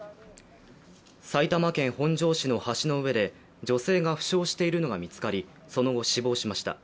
埼玉県本庄市の橋の上で女性が負傷しているのが見つかりその後、死亡しました。